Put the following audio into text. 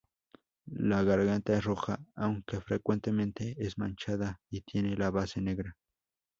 La garganta es roja, aunque frecuentemente es manchada y tiene la base negra.